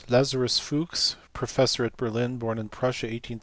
Lazarus Fuchs, professor at Berlin, born in Prussia in 1833.